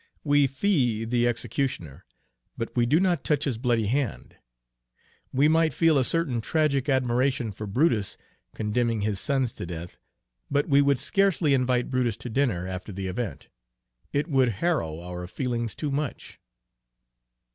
We fee the executioner, but we do not touch his bloody hand. We might feel a certain tragic admiration for Brutus condemning his sons to death, but we would scarcely invite Brutus to dinner after the event. It would harrow our feelings too much.